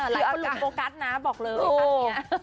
ลุกโปกัสนะบอกเลยค่ะ